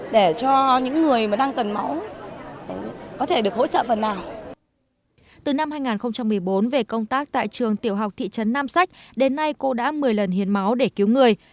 từ năm hai nghìn một mươi bốn về công tác tại trường tiểu học thị trấn nam sách đến nay cô đã một mươi lần hiến máu để cứu người